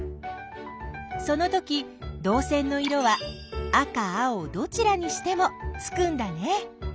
そのときどう線の色は赤青どちらにしてもつくんだね。